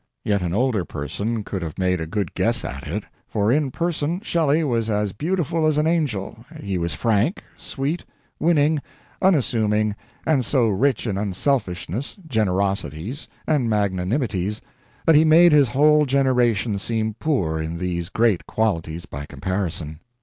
Yet an older person could have made a good guess at it, for in person Shelley was as beautiful as an angel, he was frank, sweet, winning, unassuming, and so rich in unselfishness, generosities, and magnanimities that he made his whole generation seem poor in these great qualities by comparison.